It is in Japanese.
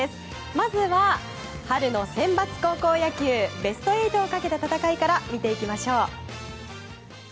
まずは、春のセンバツ高校野球ベスト８をかけた戦いから見ていきましょう。